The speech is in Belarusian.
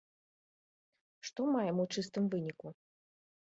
Што маем у чыстым выніку?